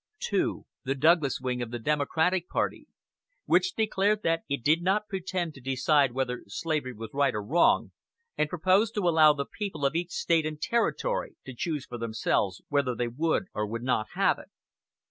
2. The Douglas wing of the Democratic party, which declared that it did not pretend to decide whether slavery was right or wrong, and proposed to allow the people of each State and Territory to choose for themselves whether they would or would not have it.